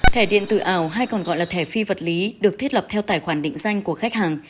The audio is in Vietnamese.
thẻ điện tử ảo hay còn gọi là thẻ phi vật lý được thiết lập theo tài khoản định danh của khách hàng